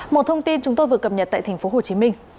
một thông tin chúng tôi vừa cập nhật tại tp hcm